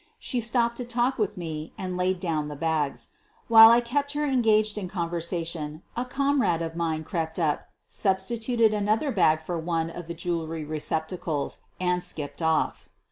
She stopped to talk with me and laid down the bags. QUEEN OF THE BURGLARS 259 While I kept her engaged in conversation a comrade of mine crept up, substituted another bag for one of the jewelry receptacles and skipped off.